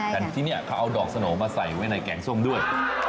แต่ที่นี่เขาเอาดอกสโนมาใส่ไว้ในแกงส้มด้วย